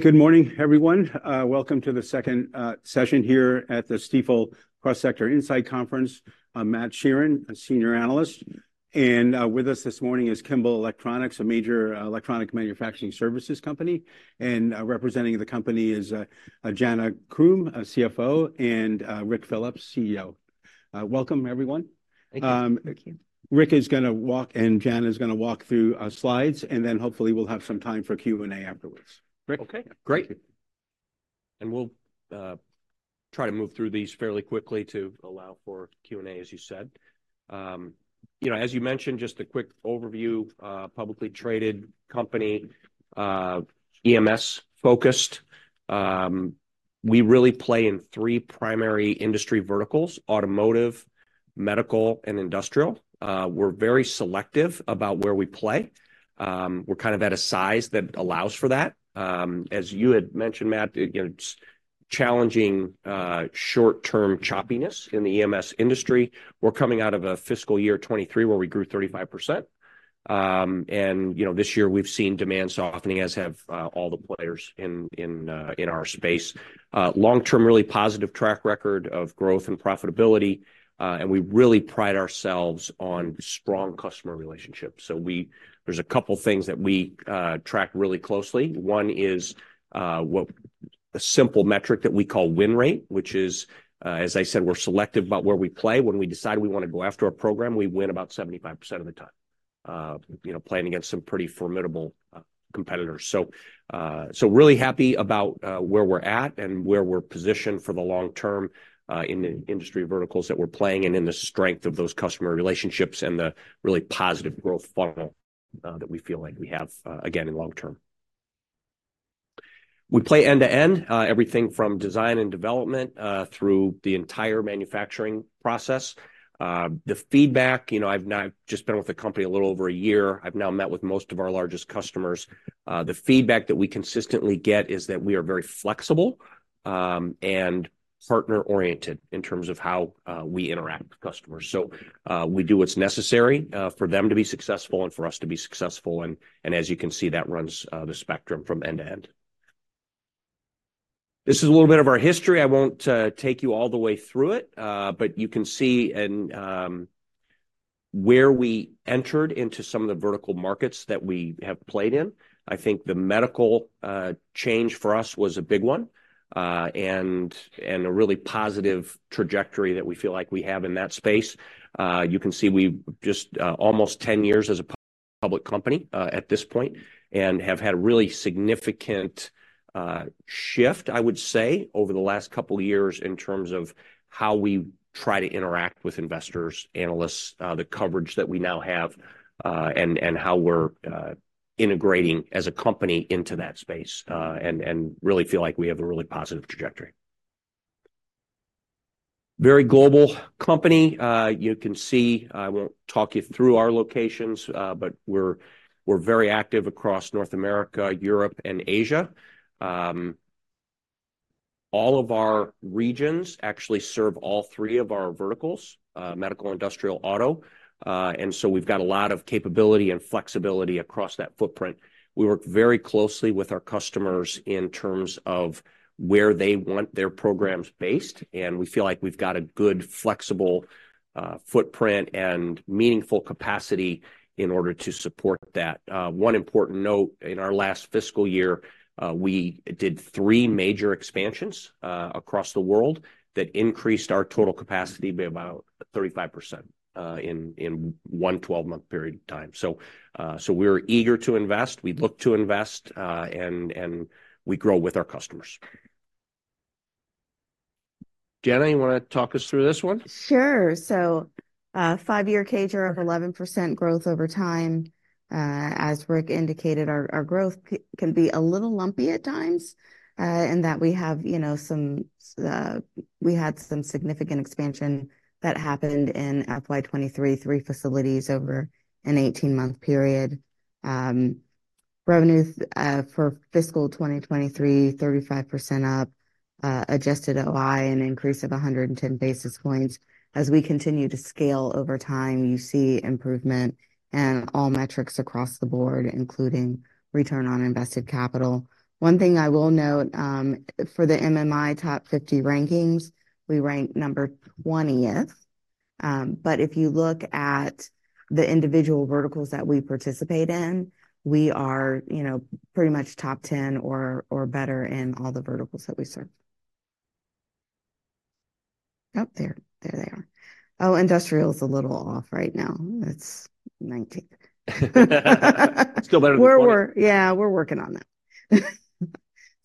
Good morning, everyone. Welcome to the second session here at the Stifel Cross Sector Insight Conference. I'm Matt Sheerin, a senior analyst, and with us this morning is Kimball Electronics, a major electronic manufacturing services company. Representing the company is Jana Croom, a CFO, and Ric Phillips, CEO. Welcome, everyone. Thank you. Thank you. Ric is gonna walk, and Jana is gonna walk through slides, and then hopefully we'll have some time for Q&A afterwards. Ric? Okay. Great. We'll try to move through these fairly quickly to allow for Q&A, as you said. You know, as you mentioned, just a quick overview, publicly traded company, EMS-focused. We really play in three primary industry verticals: automotive, medical, and industrial. We're very selective about where we play. We're kind of at a size that allows for that. As you had mentioned, Matt, you know, it's challenging, short-term choppiness in the EMS industry. We're coming out of a fiscal year 2023, where we grew 35%. And, you know, this year we've seen demand softening, as have all the players in our space. Long-term, really positive track record of growth and profitability, and we really pride ourselves on strong customer relationships. So there's a couple things that we track really closely. One is, a simple metric that we call win rate, which is, as I said, we're selective about where we play. When we decide we want to go after a program, we win about 75% of the time, you know, playing against some pretty formidable competitors. So, so really happy about, where we're at and where we're positioned for the long term, in the industry verticals that we're playing in, and the strength of those customer relationships, and the really positive growth funnel, that we feel like we have, again, in long term. We play end-to-end, everything from design and development, through the entire manufacturing process. The feedback, you know, I've now just been with the company a little over a year. I've now met with most of our largest customers. The feedback that we consistently get is that we are very flexible, and partner-oriented in terms of how we interact with customers. So, we do what's necessary for them to be successful and for us to be successful, and as you can see, that runs the spectrum from end-to-end. This is a little bit of our history. I won't take you all the way through it, but you can see in where we entered into some of the vertical markets that we have played in. I think the medical change for us was a big one, and a really positive trajectory that we feel like we have in that space. You can see we've just almost 10 years as a public company at this point, and have had a really significant shift, I would say, over the last couple of years in terms of how we try to interact with investors, analysts, the coverage that we now have, and how we're integrating as a company into that space, and really feel like we have a really positive trajectory. Very global company. You can see, I won't talk you through our locations, but we're very active across North America, Europe, and Asia. All of our regions actually serve all three of our verticals, medical, industrial, auto, and so we've got a lot of capability and flexibility across that footprint. We work very closely with our customers in terms of where they want their programs based, and we feel like we've got a good, flexible, footprint and meaningful capacity in order to support that. One important note, in our last fiscal year, we did three major expansions, across the world that increased our total capacity by about 35%, in one 12-month period of time. So, so we're eager to invest. We look to invest, and, and we grow with our customers. Jana, you wanna talk us through this one? Sure. So, five-year CAGR of 11% growth over time. As Ric indicated, our growth can be a little lumpy at times, in that we have, you know, some significant expansion that happened in FY 2023, three facilities over an 18-month period. Revenues for fiscal 2023, 35% up, adjusted OI, an increase of 110 basis points. As we continue to scale over time, you see improvement in all metrics across the board, including return on invested capital. One thing I will note, for the MMI Top 50 rankings, we ranked number 20th. But if you look at the individual verticals that we participate in, we are, you know, pretty much top 10 or better in all the verticals that we serve. Oh, there. There they are. Oh, industrial is a little off right now. It's 19th. Still better than 20. Yeah, we're working on that.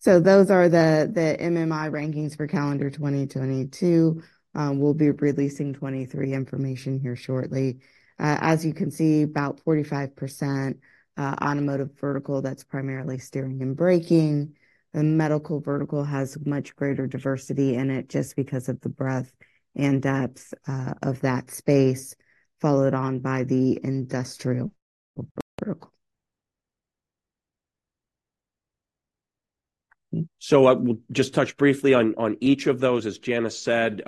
So those are the MMI rankings for calendar 2022. We'll be releasing 2023 information here shortly. As you can see, about 45%, automotive vertical, that's primarily steering and braking. The medical vertical has much greater diversity in it, just because of the breadth and depth of that space, followed on by the industrial vertical. So I will just touch briefly on each of those. As Jana said,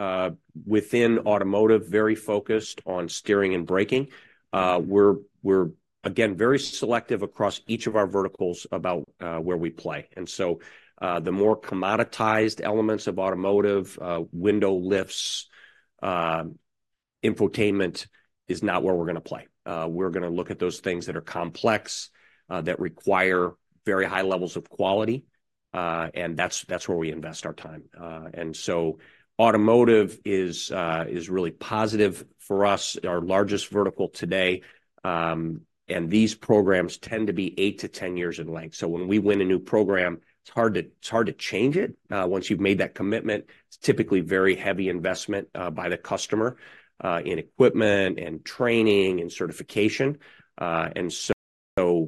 within automotive, very focused on steering and braking. We're, again, very selective across each of our verticals about where we play. And so, the more commoditized elements of automotive, window lifts, infotainment, is not where we're gonna play. We're gonna look at those things that are complex, that require very high levels of quality, and that's where we invest our time. And so automotive is really positive for us, our largest vertical today. And these programs tend to be 8-10 years in length. So when we win a new program, it's hard to change it, once you've made that commitment. It's typically very heavy investment by the customer in equipment, in training, in certification. And so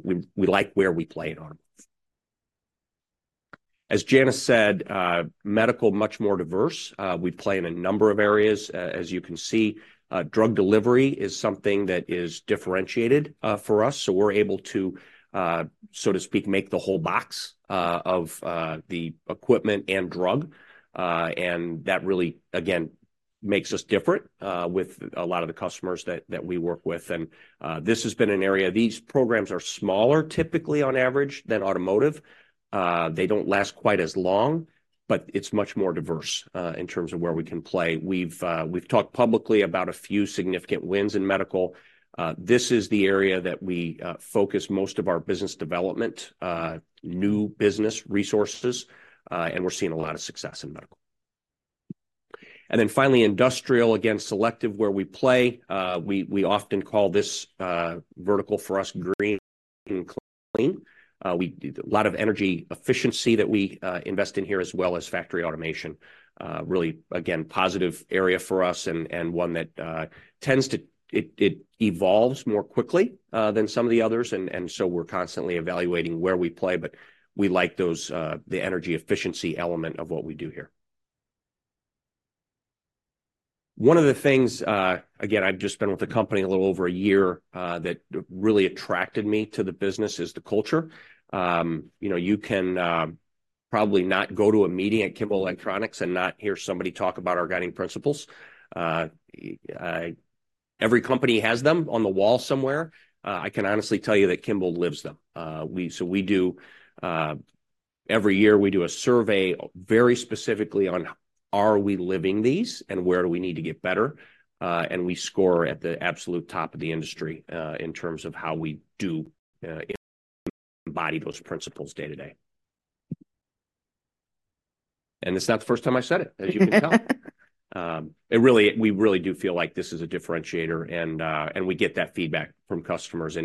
we like where we play in automotive. As Jana said, medical, much more diverse. We play in a number of areas, as you can see. Drug delivery is something that is differentiated for us, so we're able to, so to speak, make the whole box of the equipment and drug. And that really, again, makes us different with a lot of the customers that we work with. And this has been an area. These programs are smaller, typically on average, than automotive. They don't last quite as long, but it's much more diverse in terms of where we can play. We've talked publicly about a few significant wins in medical. This is the area that we focus most of our business development, new business resources, and we're seeing a lot of success in medical. And then finally, industrial. Again, selective where we play. We often call this vertical for us, Green and Clean. A lot of energy efficiency that we invest in here, as well as factory automation. Really, again, positive area for us, and one that tends to, it evolves more quickly than some of the others, and so we're constantly evaluating where we play. But we like those, the energy efficiency element of what we do here. One of the things, again, I've just been with the company a little over a year, that really attracted me to the business, is the culture. You know, you can probably not go to a meeting at Kimball Electronics and not hear somebody talk about our guiding principles. Every company has them on the wall somewhere. I can honestly tell you that Kimball lives them. So we do every year, we do a survey very specifically on, are we living these, and where do we need to get better? And we score at the absolute top of the industry in terms of how we do embody those principles day to day. And it's not the first time I've said it, as you can tell. We really do feel like this is a differentiator, and we get that feedback from customers.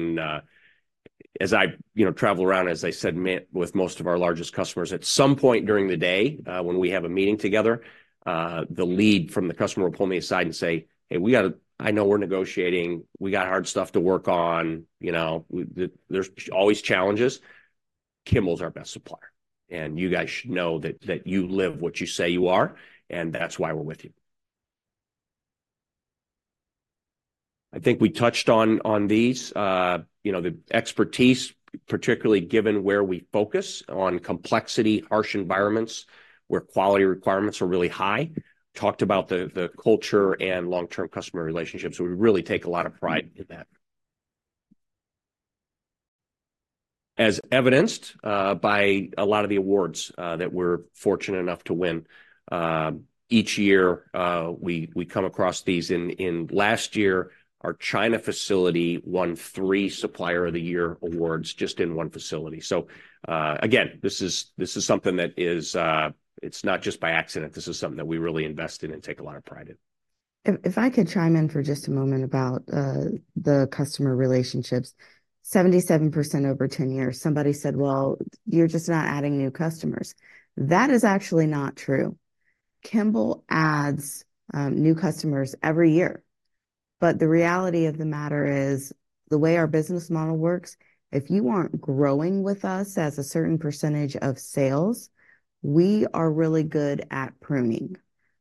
As I, you know, travel around, as I said, with most of our largest customers, at some point during the day, when we have a meeting together, the lead from the customer will pull me aside and say, "Hey, we gotta... I know we're negotiating, we got hard stuff to work on, you know, there's always challenges. Kimball's our best supplier, and you guys should know that, that you live what you say you are, and that's why we're with you." I think we touched on these. You know, the expertise, particularly given where we focus on complexity, harsh environments, where quality requirements are really high. Talked about the culture and long-term customer relationships. We really take a lot of pride in that. As evidenced by a lot of the awards that we're fortunate enough to win each year, we come across these. Last year, our China facility won three Supplier of the Year awards, just in one facility. So, again, this is something that is, it's not just by accident. This is something that we really invest in and take a lot of pride in. If, if I could chime in for just a moment about, the customer relationships. 77% over 10 years, somebody said, "Well, you're just not adding new customers." That is actually not true. Kimball adds, new customers every year, but the reality of the matter is, the way our business model works, if you aren't growing with us as a certain percentage of sales, we are really good at pruning.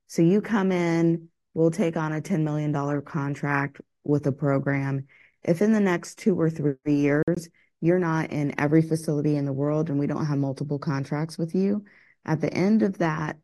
So you come in, we'll take on a $10 million contract with a program. If in the next 2 or 3 years, you're not in every facility in the world, and we don't have multiple contracts with you, at the end of that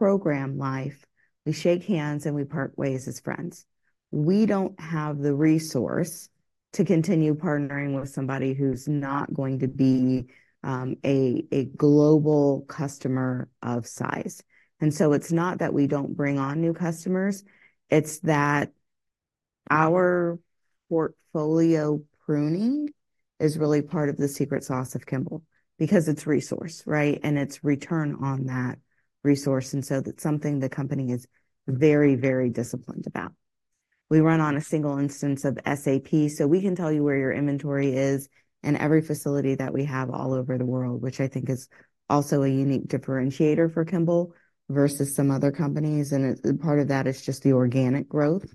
program life, we shake hands, and we part ways as friends. We don't have the resource to continue partnering with somebody who's not going to be, a global customer of size. And so it's not that we don't bring on new customers, it's that our portfolio pruning is really part of the secret sauce of Kimball, because it's resource, right? And it's return on that resource, and so that's something the company is very, very disciplined about. We run on a single instance of SAP, so we can tell you where your inventory is in every facility that we have all over the world, which I think is also a unique differentiator for Kimball versus some other companies. And part of that is just the organic growth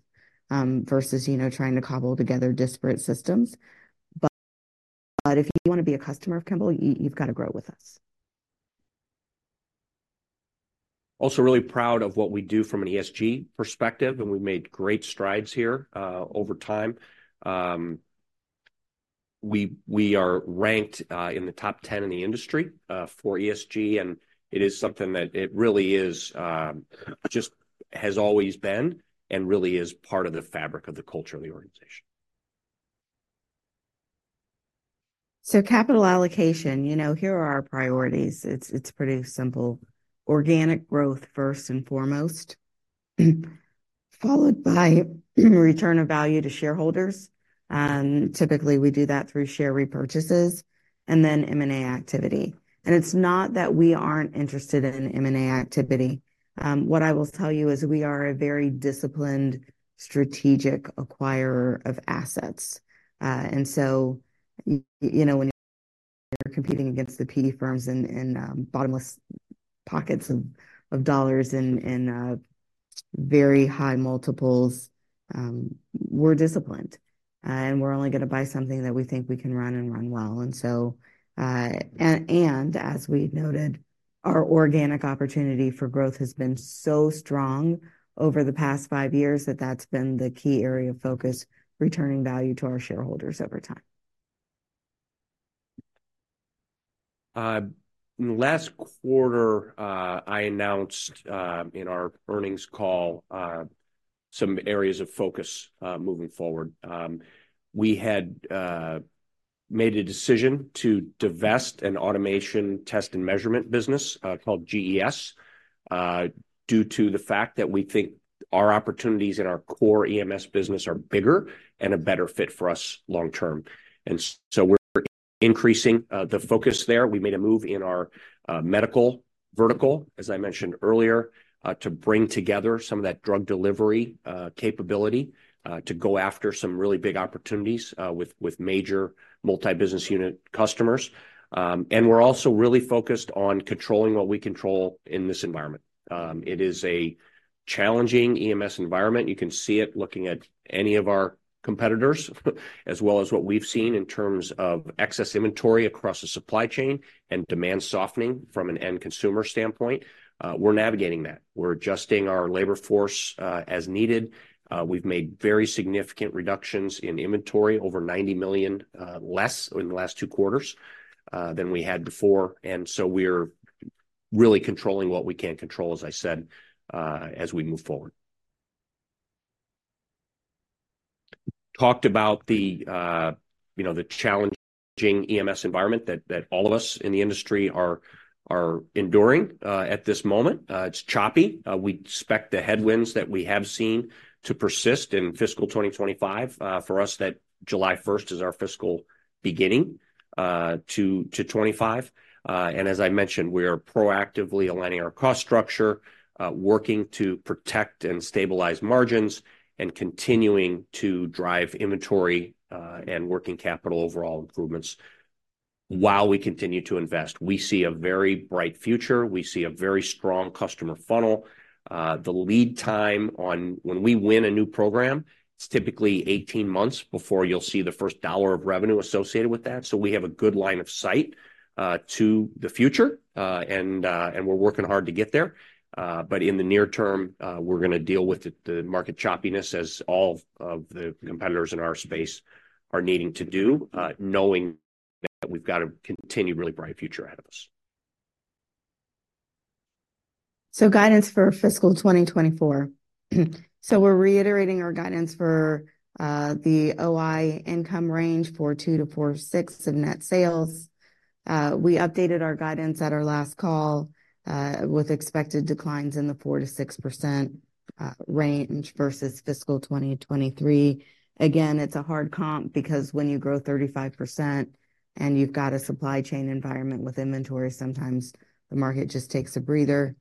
versus, you know, trying to cobble together disparate systems. But if you want to be a customer of Kimball, you've got to grow with us. Also really proud of what we do from an ESG perspective, and we've made great strides here over time. We are ranked in the top ten in the industry for ESG, and it is something that it really is just has always been and really is part of the fabric of the culture of the organization. So capital allocation, you know, here are our priorities. It's pretty simple: organic growth first and foremost, followed by return of value to shareholders, typically we do that through share repurchases, and then M&A activity. And it's not that we aren't interested in M&A activity. What I will tell you is we are a very disciplined, strategic acquirer of assets. And so, you know, when you're competing against the PE firms and bottomless pockets of dollars and very high multiples, we're disciplined, and we're only gonna buy something that we think we can run and run well. And so, as we noted, our organic opportunity for growth has been so strong over the past five years, that that's been the key area of focus, returning value to our shareholders over time. Last quarter, I announced in our earnings call some areas of focus moving forward. We had made a decision to divest an Automation Test and Measurement business called GES due to the fact that we think our opportunities in our core EMS business are bigger and a better fit for us long term. And so we're increasing the focus there. We made a move in our medical vertical, as I mentioned earlier, to bring together some of that drug delivery capability to go after some really big opportunities with major multi-business unit customers. And we're also really focused on controlling what we control in this environment. It is a challenging EMS environment. You can see it looking at any of our competitors, as well as what we've seen in terms of excess inventory across the supply chain and demand softening from an end consumer standpoint. We're navigating that. We're adjusting our labor force, as needed. We've made very significant reductions in inventory, over $90 million less in the last two quarters, than we had before, and so we're really controlling what we can control, as I said, as we move forward. Talked about the, you know, the challenging EMS environment that, that all of us in the industry are, are enduring, at this moment. It's choppy. We expect the headwinds that we have seen to persist in fiscal 2025. For us, that July first is our fiscal beginning, to 2025. And as I mentioned, we are proactively aligning our cost structure, working to protect and stabilize margins, and continuing to drive inventory and working capital overall improvements while we continue to invest. We see a very bright future. We see a very strong customer funnel. The lead time on when we win a new program, it's typically 18 months before you'll see the first dollar of revenue associated with that, so we have a good line of sight to the future. And we're working hard to get there. But in the near term, we're gonna deal with the market choppiness, as all of the competitors in our space are needing to do, knowing that we've got a continued really bright future out of us. Guidance for fiscal 2024. We're reiterating our guidance for the OI income range for 2%-4.6% in net sales. We updated our guidance at our last call with expected declines in the 4%-6% range versus fiscal 2023. Again, it's a hard comp because when you grow 35% and you've got a supply chain environment with inventory, sometimes the market just takes a breather.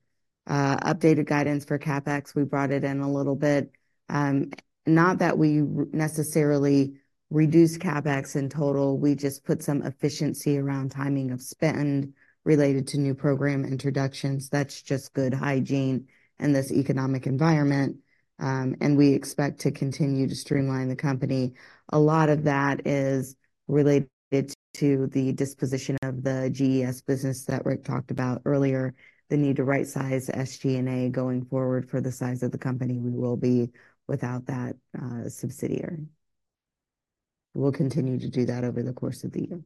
Updated guidance for CapEx, we brought it in a little bit, not that we necessarily reduced CapEx in total. We just put some efficiency around timing of spend related to new program introductions. That's just good hygiene in this economic environment, and we expect to continue to streamline the company. A lot of that is related to the disposition of the GES business that Ric talked about earlier, the need to rightsize SG&A going forward for the size of the company we will be without that subsidiary. We'll continue to do that over the course of the year.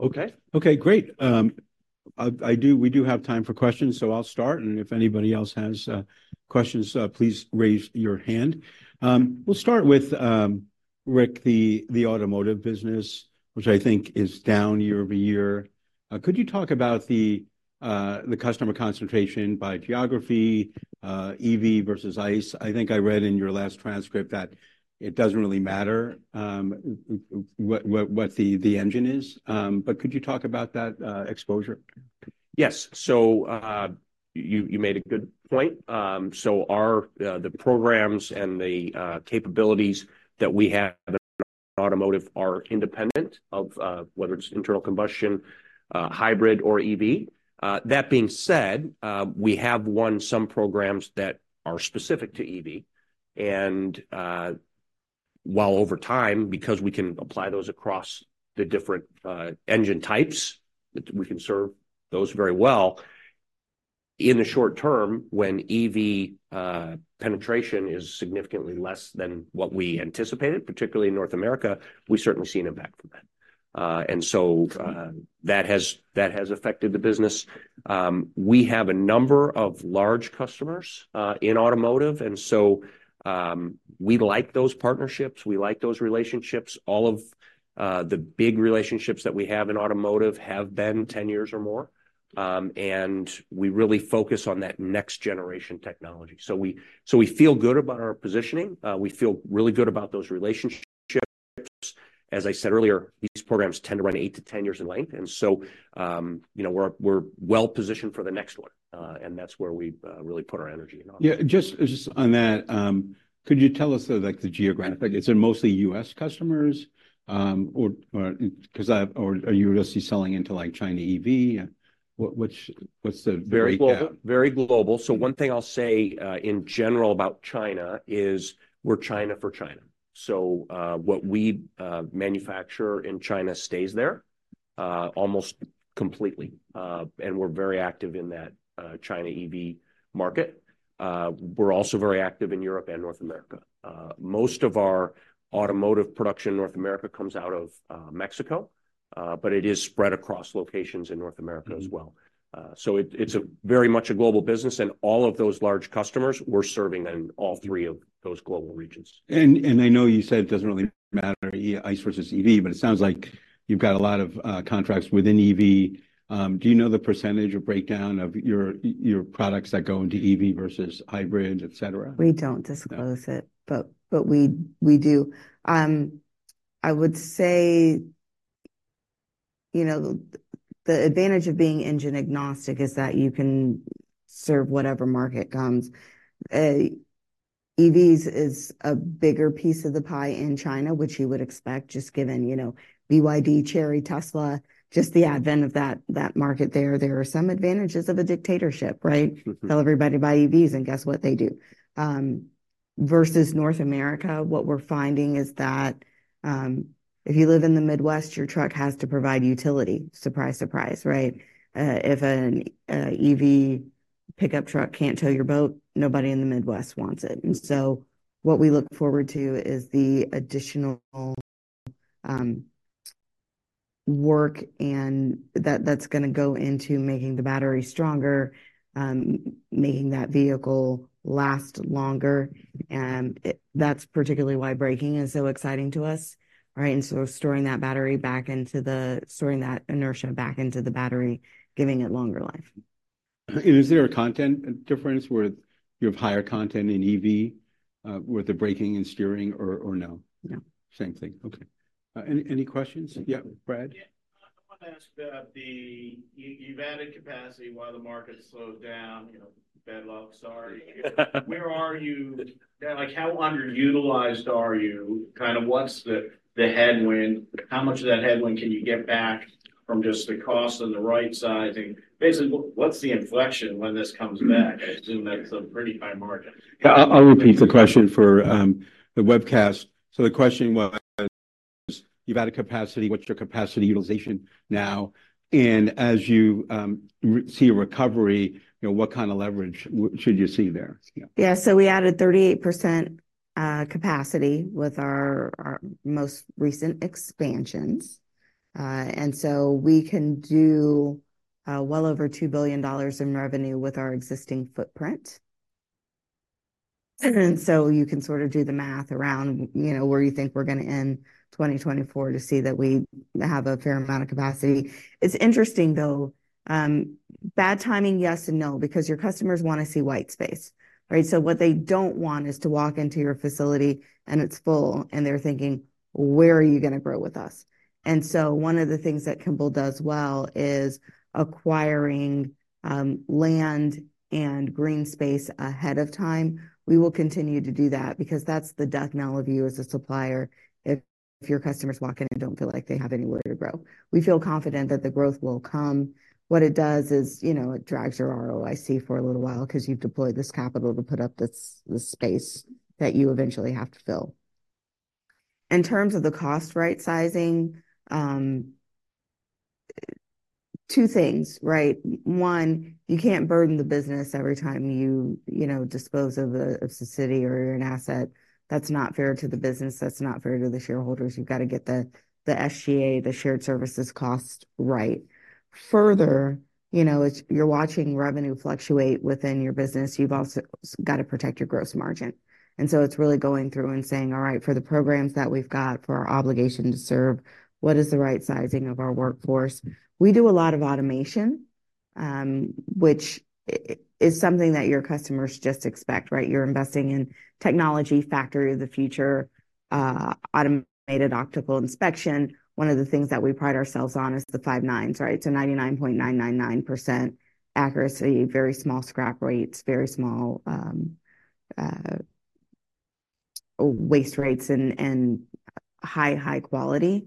Okay. Okay, great. We do have time for questions, so I'll start, and if anybody else has questions, please raise your hand. We'll start with Ric, the automotive business, which I think is down year-over-year. Could you talk about the customer concentration by geography, EV versus ICE? I think I read in your last transcript that it doesn't really matter what the engine is, but could you talk about that exposure? Yes. So, you made a good point. So our the programs and the capabilities that we have in automotive are independent of whether it's internal combustion, hybrid, or EV. That being said, we have won some programs that are specific to EV, and while over time, because we can apply those across the different engine types, that we can serve those very well. In the short term, when EV penetration is significantly less than what we anticipated, particularly in North America, we've certainly seen an impact from that. And so, that has affected the business. We have a number of large customers in automotive, and so we like those partnerships, we like those relationships. All of the big relationships that we have in automotive have been 10 years or more. And we really focus on that next generation technology. So we feel good about our positioning. We feel really good about those relationships. As I said earlier, these programs tend to run 8-10 years in length, and so, you know, we're well-positioned for the next one. And that's where we really put our energy and effort. Yeah, just, just on that, could you tell us, though, like, the geographic, like, is it mostly U.S. customers? Or, or, 'cause or are you also selling into, like, China EV, and what, which, what's the breakdown? Very global, very global. So one thing I'll say, in general about China is, we're China for China. So, what we manufacture in China stays there, almost completely. And we're very active in that, China EV market. We're also very active in Europe and North America. Most of our automotive production in North America comes out of Mexico, but it is spread across locations in North America as well. So it's very much a global business, and all of those large customers, we're serving in all three of those global regions. I know you said it doesn't really matter, i.e., ICE versus EV, but it sounds like you've got a lot of contracts within EV. Do you know the percentage or breakdown of your products that go into EV versus hybrid, etc.? We don't disclose it, but we do. I would say, you know, the advantage of being engine-agnostic is that you can serve whatever market comes. EVs is a bigger piece of the pie in China, which you would expect, just given, you know, BYD, Chery, Tesla, just the advent of that market there. There are some advantages of a dictatorship, right? Tell everybody, "Buy EVs," and guess what they do? Versus North America, what we're finding is that if you live in the Midwest, your truck has to provide utility. Surprise, surprise, right? If an EV pickup truck can't tow your boat, nobody in the Midwest wants it. And so what we look forward to is the additional work and that's gonna go into making the battery stronger, making that vehicle last longer. That's particularly why braking is so exciting to us, right? And so we're storing that inertia back into the battery, giving it longer life. Is there a content difference, where you have higher content in EV, with the braking and steering, or no? No. Same thing. Okay. Any questions? Yeah, Brad? Yeah. I wanted to ask about the... You've added capacity while the market slowed down, you know, bad luck story. Where are you—like, how underutilized are you? Kind of, what's the headwind? How much of that headwind can you get back from just the cost and the right sizing? Basically, what's the inflection when this comes back? I assume that's a pretty high margin. Yeah, I'll repeat the question for the webcast. So the question was: You've added capacity, what's your capacity utilization now? And as you see a recovery, you know, what kind of leverage should you see there? Yeah, so we added 38% capacity with our most recent expansions. And so we can do well over $2 billion in revenue with our existing footprint. And so you can sort of do the math around, you know, where you think we're gonna end 2024, to see that we have a fair amount of capacity. It's interesting, though, bad timing, yes and no, because your customers wanna see white space, right? So what they don't want is to walk into your facility and it's full, and they're thinking: "Where are you gonna grow with us?" And so one of the things that Kimball does well is acquiring land and green space ahead of time. We will continue to do that, because that's the death knell of you as a supplier, if your customers walk in and don't feel like they have anywhere to grow. We feel confident that the growth will come. What it does is, you know, it drags your ROIC for a little while, 'cause you've deployed this capital to put up this, this space that you eventually have to fill. In terms of the cost right-sizing, two things, right? One, you can't burden the business every time you, you know, dispose of a city or an asset. That's not fair to the business, that's not fair to the shareholders. You've gotta get the SG&A, the shared services cost right. Further, you know, it's, you're watching revenue fluctuate within your business, you've also gotta protect your gross margin. It's really going through and saying: "All right, for the programs that we've got, for our obligation to serve, what is the right sizing of our workforce?" We do a lot of automation, which is something that your customers just expect, right? You're investing in technology, factory of the future, automated optical inspection. One of the things that we pride ourselves on is the five nines, right? So 99.999% accuracy, very small scrap rates, very small waste rates, and high, high quality.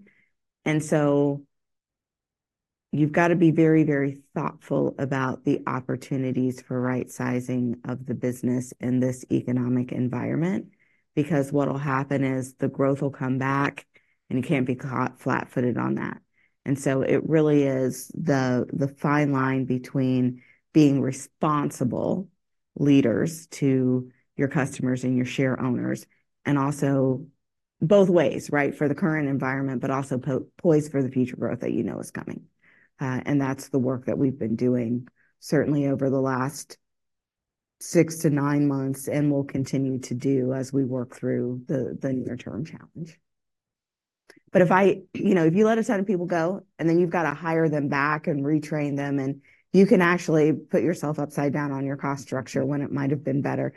You've got to be very, very thoughtful about the opportunities for right-sizing of the business in this economic environment. Because what'll happen is, the growth will come back, and you can't be caught flat-footed on that. So it really is the fine line between being responsible leaders to your customers and your share owners, and also both ways, right? For the current environment, but also poised for the future growth that you know is coming. And that's the work that we've been doing, certainly over the last 6-9 months, and will continue to do as we work through the near-term challenge. But you know, if you let a ton of people go, and then you've got to hire them back and retrain them, and you can actually put yourself upside down on your cost structure when it might have been better.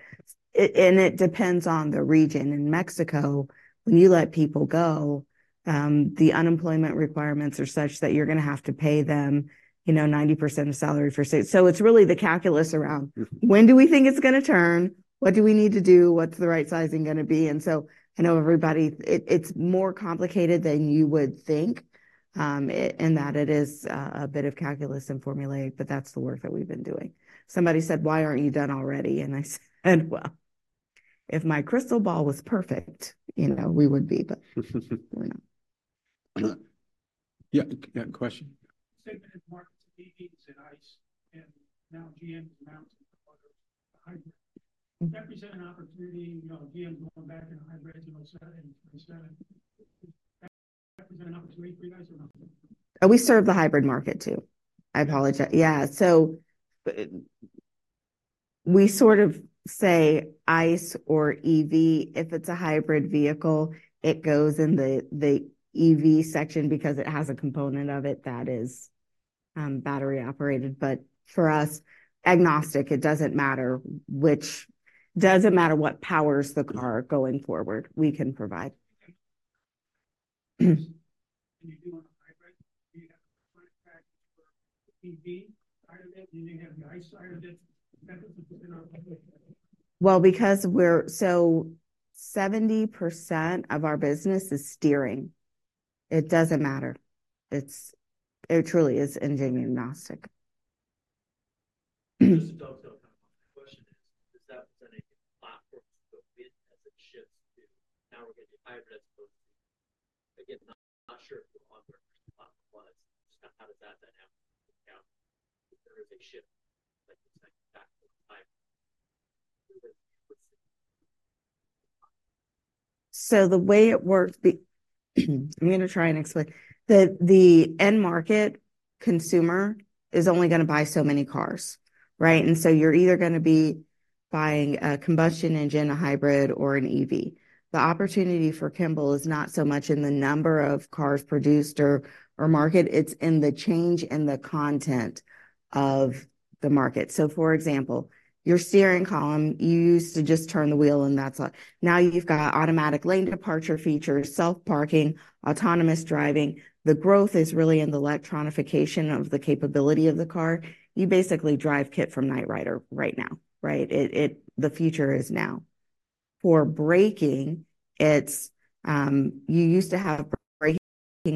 And it depends on the region. In Mexico, when you let people go, the unemployment requirements are such that you're going to have to pay them, you know, 90% of salary for six...It's really the calculus around. When do we think it's going to turn? What do we need to do? What's the right sizing going to be? And so I know everybody, it, it's more complicated than you would think, and that it is, a bit of calculus and formulas, but that's the work that we've been doing. Somebody said: "Why aren't you done already?" And I said: "Well, if my crystal ball was perfect, you know, we would be," but we're not. Yeah, you got a question? Segmented markets, EVs, and ICE, and now GM is announcing hybrid. Represent an opportunity, you know, GM's going back into hybrids in 2027. Does that represent an opportunity for you guys or not? We serve the hybrid market, too. I apologize. Yeah, so, we sort of say ICE or EV. If it's a hybrid vehicle, it goes in the EV section because it has a component of it that is battery-operated. But for us, agnostic, it doesn't matter which-- doesn't matter what powers the car going forward, we can provide. You do want a hybrid. Do you have package for EV side of it, and you have the ICE side of it? That is within our- Well, because we're so 70% of our business is steering. It doesn't matter. It truly is engine agnostic. Just to double check, my question is, does that present any platforms to go with as it shifts to now we're going to do hybrids, but again, I'm not sure what the platform was? Just kind of how does that then happen? Yeah, if there is a shift, like you said, back to hybrid. So the way it works, I'm going to try and explain. The end market consumer is only going to buy so many cars, right? And so you're either going to be buying a combustion engine, a hybrid, or an EV. The opportunity for Kimball is not so much in the number of cars produced or market, it's in the change in the content of the market. So, for example, your steering column, you used to just turn the wheel, and that's it. Now, you've got automatic lane departure features, self-parking, autonomous driving. The growth is really in the electronification of the capability of the car. You basically drive KITT from Knight Rider right now, right? It, the future is now. For braking, it's, you used to have braking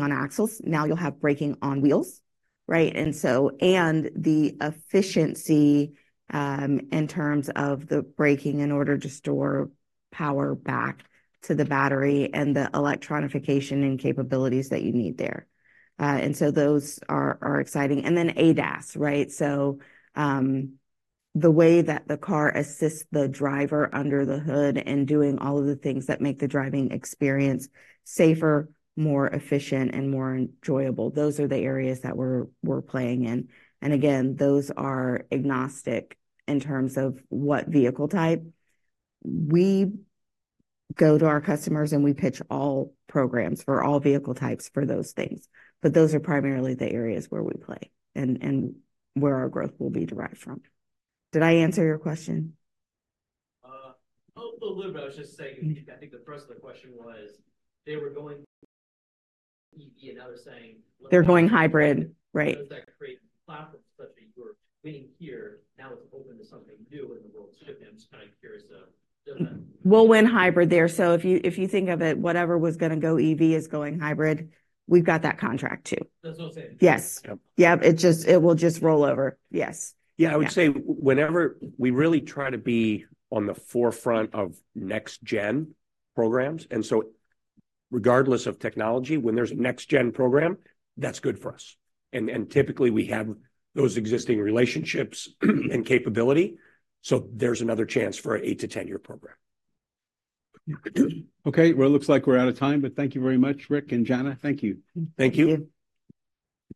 on axles, now you'll have braking on wheels, right? And so the efficiency, in terms of the braking in order to store power back to the battery and the electronification and capabilities that you need there. And so those are exciting. And then ADAS, right? So, the way that the car assists the driver under the hood and doing all of the things that make the driving experience safer, more efficient, and more enjoyable, those are the areas that we're playing in. And again, those are agnostic in terms of what vehicle type. We go to our customers, and we pitch all programs for all vehicle types for those things, but those are primarily the areas where we play and where our growth will be derived from. Did I answer your question? A little bit. I was just saying, I think the thrust of the question was: they were going EV, and now they're saying- They're going hybrid, right? So does that create platforms such that you're winning here, now it's open to something new in the world, too? I'm just kind of curious, does that- We'll win hybrid there. So if you, if you think of it, whatever was going to go EV is going hybrid. We've got that contract, too. That's what I'm saying. Yep, it just, it will just roll over. Yes. Yeah, I would say whenever we really try to be on the forefront of next-gen programs. And so regardless of technology, when there's a next-gen program, that's good for us. And typically, we have those existing relationships and capability, so there's another chance for an 8-10-year program. Okay, well, it looks like we're out of time, but thank you very much, Ric and Jana. Thank you. Thank you.